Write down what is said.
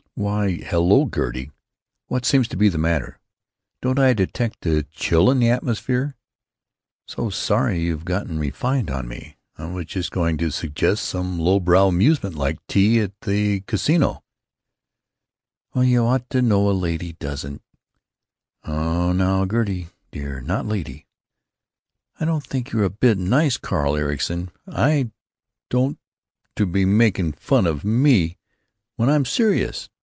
"Why, hello, Gertie! What seems to be the matter? Don't I detect a chill in the atmosphere? So sorry you've gone and gotten refined on me. I was just going to suggest some low brow amusement like tea at the Casino." "Well, you ought to know a lady doesn't——" "Oh, now, Gertie dear, not 'lady.'" "I don't think you're a bit nice, Carl Ericson, I don't, to be making fun of me when I'm serious.